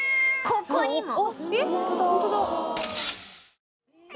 ここにも